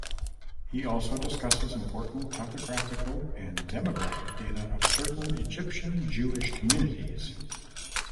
He also discusses important topographical and demographic data of certain Egyptian Jewish communities.